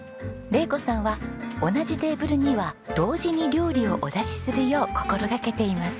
玲子さんは同じテーブルには同時に料理をお出しするよう心掛けています。